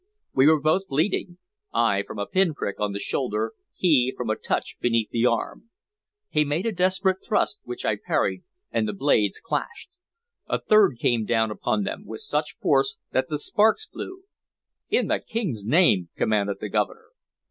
We were both bleeding, I from a pin prick on the shoulder, he from a touch beneath the arm. He made a desperate thrust, which I parried, and the blades clashed. A third came down upon them with such force that the sparks flew. "In the King's name!" commanded the Governor.